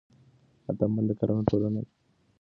هدفمند کارونه ټولنه جوړوي.